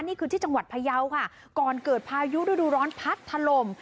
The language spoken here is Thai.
นี่คือที่จังหวัดพยาวค่ะก่อนเกิดพายุฤดูร้อนพัดถล่ม